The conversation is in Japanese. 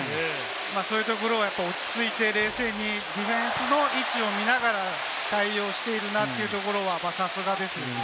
そういうところはやっぱり落ち着いて、冷静にディフェンスの位置を見ながら対応しているなというところはさすがですよね。